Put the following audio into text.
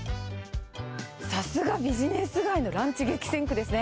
さすがビジネス街のランチ激戦区ですね。